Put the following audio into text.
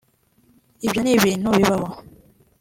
ibyo ni ibintu bibaho